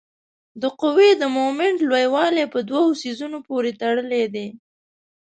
د قوې د مومنټ لویوالی په دوو څیزونو پورې تړلی دی.